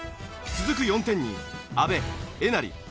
続く４点に阿部えなり